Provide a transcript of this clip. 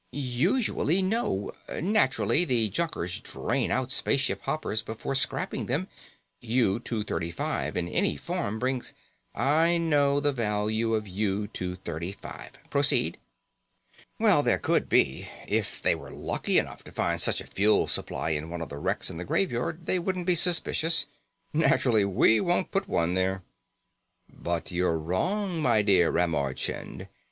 "Usually, no. Naturally, the junkers drain out spaceship hoppers before scrapping them. U 235 in any form brings " "I know the value of U 235. Proceed." "Well, there could be. If they were lucky enough to find such a fuel supply in one of the wrecks in the Graveyard, they wouldn't be suspicious. Naturally, we won't put one there." "But you're wrong, my dear Ramar Chind.